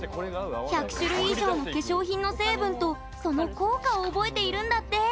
１００種類以上の化粧品の成分とその効果を覚えているんだって。